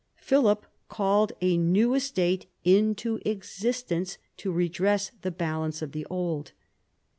Philip called a new estate into existence to redress the balance of the old.